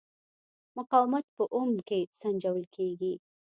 مقاومت په اوم کې سنجول کېږي.